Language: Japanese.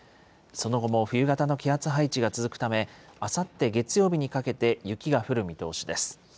その後も冬型の気圧配置が続くため、あさって月曜日にかけて雪が降る見通しです。